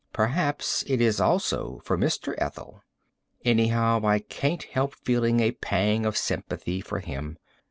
Perhaps it is also for Mr. Ethel. Anyhow, I can't help feeling a pang of sympathy for him.